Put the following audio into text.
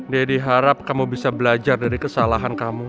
dedy harap kamu bisa belajar dari kesalahan kamu